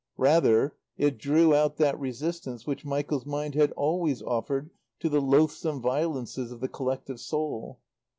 Rather, it drew out that resistance which Michael's mind had always offered to the loathsome violences of the collective soul.